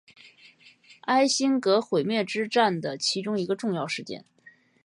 艾辛格毁灭之战的其中一个重要事件。